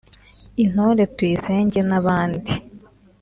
Intore Tuyisenge n'abandi